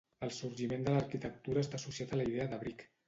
El sorgiment de l'arquitectura està associat a la idea d'abric.